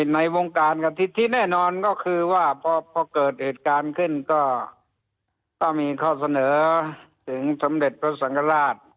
ในวงการที่แน่นอนก็คือว่าพอเกิดเหตุการณ์ขึ้นก็ต้องมีข้อเสนอถึงสมเด็จพระสังฆราช